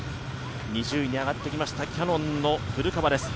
２０位に上がってきましたキヤノンの古川です。